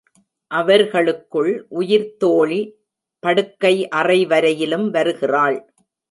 அவர்களுக்குள் உயிர்த்தோழி படுக்கை அறை வரையிலும் வருகிறாள்.